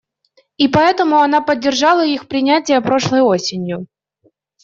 И поэтому она поддержала их принятие прошлой осенью.